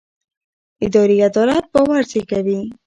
اداري عدالت باور زېږوي